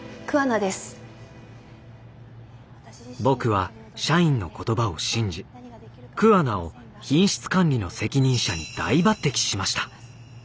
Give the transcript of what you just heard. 僕は社員の言葉を信じ桑名を品質管理の責任者に大抜てきしました。